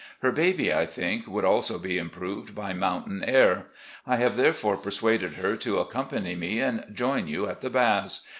Her baby, I think, would also be improved by mountain air. I have there fore persuaded her to accompany me and join you at the Baths.